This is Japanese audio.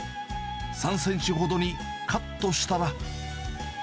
３センチほどにカットしたら。